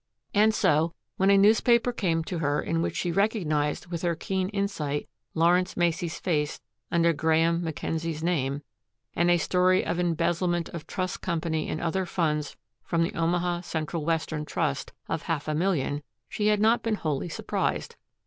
And so when a newspaper came to her in which she recognized with her keen insight Lawrence Macey's face under Graeme Mackenzie's name, and a story of embezzlement of trust company and other funds from the Omaha Central Western Trust of half a million, she had not been wholly surprised.